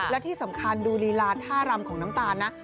และที่สำคัญดูลีลาท่ารำของน้ำตาลนะ